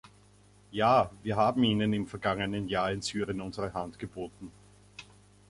Ja, wir haben Ihnen im vergangenen Jahr in Syrien unsere Hand geboten.